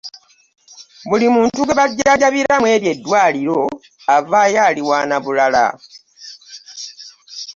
Buli muntu gwe bajanjabira mweryo eddwaliro avaayo aliwaana bulala.